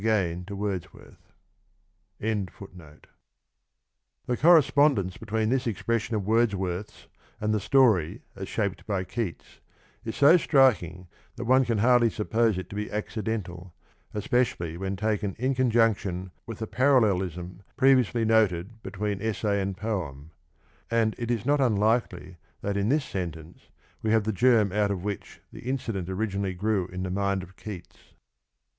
gain to Wordsworth. 6i The correspondence between this expression of Words worth's and the story as shaped by Keats is so striking that one can hardly suppose it to be accidental, especially when taken in conjunction with the parallelism pre viously noted between essay and poem; and it is not unlikely that in this sentence we have the germ out of which the incident originally grew in the mind of Keats.